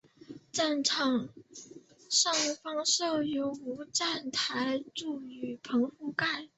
站场上方设有无站台柱雨棚覆盖。